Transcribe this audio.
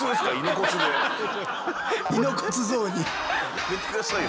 やめて下さいよ